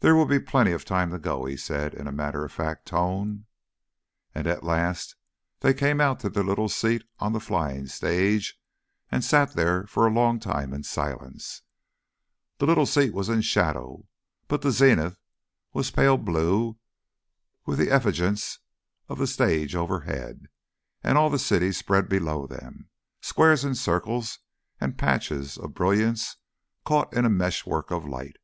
"There will be plenty of time to go," he said, in a matter of fact tone. And at last they came out to their little seat on the flying stage, and sat there for a long time in silence. The little seat was in shadow, but the zenith was pale blue with the effulgence of the stage overhead, and all the city spread below them, squares and circles and patches of brilliance caught in a mesh work of light.